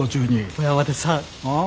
小山田さん。